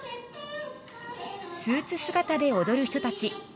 スーツ姿で踊る人たち。